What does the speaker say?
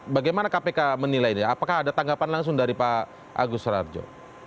bagaimana kpk menilai ini apakah ada tanggapan langsung dari pak agus rarjo